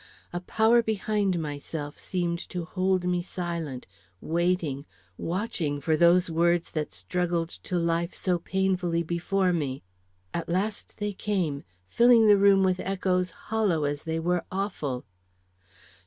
A power behind myself seemed to hold me silent, waiting, watching for those words that struggled to life so painfully before me. At last they came, filling the room with echoes hollow as they were awful!